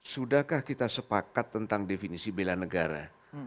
sudahkah kita sepakat tentang definisi bela negara